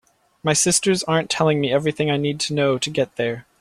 My sisters aren’t telling me everything I need to know to get there.